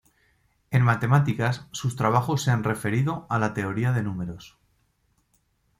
En matemáticas, sus trabajos se han referido a la teoría de números.